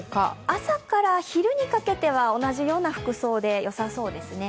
朝から昼にかけては同じような服装でよさそうですね。